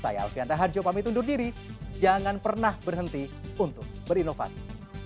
saya alfian taharjo pamit undur diri jangan pernah berhenti untuk berinovasi